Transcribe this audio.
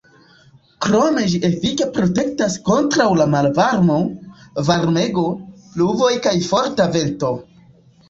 Krome ĝi efike protektas kontraŭ la malvarmo, varmego, pluvoj kaj forta vento.